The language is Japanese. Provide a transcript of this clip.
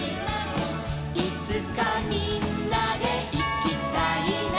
「いつかみんなでいきたいな」